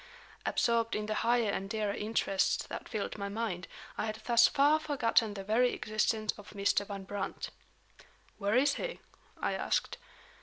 Absorbed in the higher and dearer interests that filled my mind, I had thus far forgotten the very existence of Mr. Van Brandt. "Where is he?" I asked.